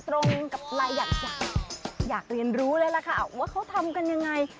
ตรงกับรายใหญ่อยากเรียนรู้เลยล่ะค่ะว่าเขาทำกันยังไง